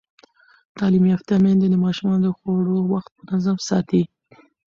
تعلیم یافته میندې د ماشومانو د خوړو وخت منظم ساتي.